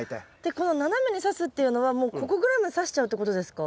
この斜めにさすっていうのはもうここぐらいまでさしちゃうってことですか？